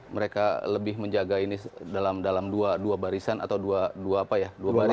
mereka lebih menjaga ini dalam dua barisan atau dua apa ya dua barisan